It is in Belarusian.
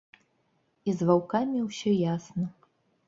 І з ваўкамі ўсё ясна.